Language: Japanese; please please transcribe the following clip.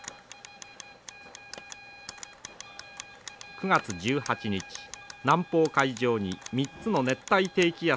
９月１８日南方海上に３つの熱帯低気圧が発生しました。